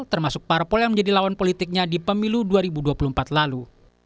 termasuk parpol yang menjadi lawan politiknya di pemilu dua ribu dua puluh empat lalu